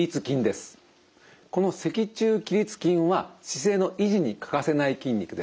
この脊柱起立筋は姿勢の維持に欠かせない筋肉です。